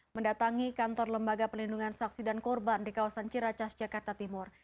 mendatangi kantor lembaga pelindungan saksi dan korban di kawasan ciracas jakarta timur